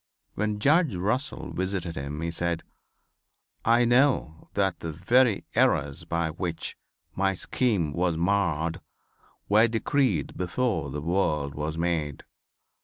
When Judge Russell visited him he said: "I know that the very errors by which my scheme was marred were decreed before the world was made.